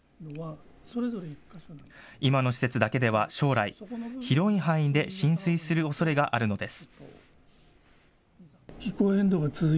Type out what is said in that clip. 今の施設だけでは将来広い範囲で浸水するおそれがあるのです。